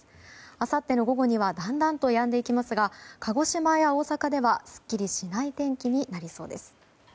あさっての午後にはだんだんとやんでいきますが鹿児島や大阪ではすっきりしない天気になりそうです。